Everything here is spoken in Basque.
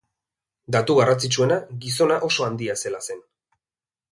Datu garrantzitsuena, gizona oso handia zela zen.